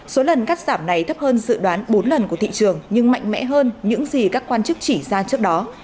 số lần cắt giảm này thấp hơn dự đoán bốn lần của thị trường nhưng mạnh mẽ hơn những gì các quan chức chỉ ra trước đó